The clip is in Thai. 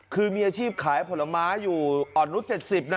คือมีอาชีพขายผลไม้อยู่อ่อนนุษย๗๐นะ